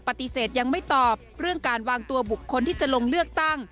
ปฏิเสธยังไม่ตอบเรื่องการวางตัวบุคคลที่จะลงเลือกตั้ง